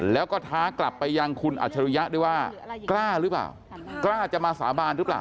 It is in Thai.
แล้วก็ท้ากลับไปยังคุณอัจฉริยะด้วยว่ากล้าหรือเปล่ากล้าจะมาสาบานหรือเปล่า